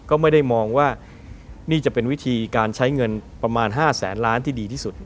ก็ไม่ได้มองว่านี่จะเป็นวิธีการใช้เงินประมาณ๕แสนล้านที่ดีที่สุด